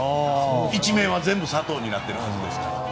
１面は全部佐藤になってるはずですから。